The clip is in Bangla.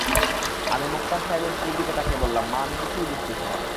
আমি মোক্তার সাহেবের স্ত্রীর দিকে তাকিয়ে বললাম, মা, আমি কিছুই বুঝতেছি না।